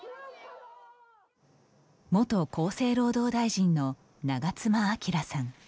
元厚生労働大臣の長妻昭さん。